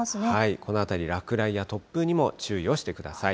この辺り、落雷や突風にも注意をしてください。